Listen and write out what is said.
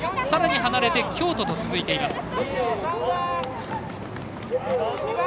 さらに離れて京都と続いています。